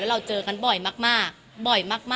แล้วเราเจอกันบ่อยมาก